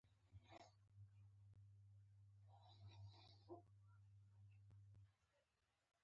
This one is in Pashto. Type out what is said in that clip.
چار مغز د افغانستان د هیوادوالو لپاره یو ویاړ دی.